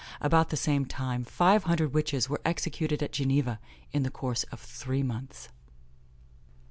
About the same time, five hundred witches were executed at Geneva, in the course of three months.